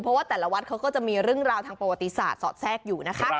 เพราะว่าแต่ละวัดเขาก็จะมีเรื่องราวทางประวัติศาสตร์สอดแทรกอยู่นะคะ